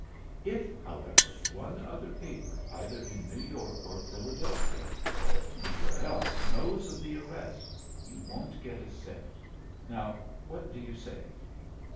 If, however, one other paper, either in New York or Philadelphia, or anywhere else, knows of the arrest, you won't get a cent. Now, what do you say?"